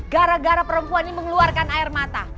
gara gara perempuan ini mengeluarkan air mata